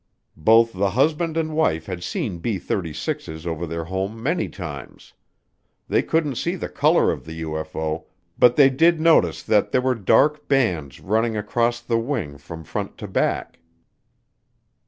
Both the husband and wife had seen B 36's over their home many times. They couldn't see the color of the UFO but they did notice that there were dark bands running across the wing from front to back.